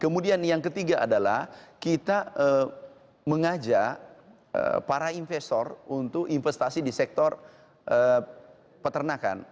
kemudian yang ketiga adalah kita mengajak para investor untuk investasi di sektor peternakan